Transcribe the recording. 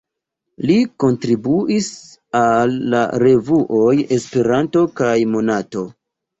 Li kontribuis al la revuoj "Esperanto" kaj "Monato".